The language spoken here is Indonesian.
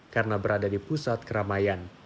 karena berada di pusat keramaian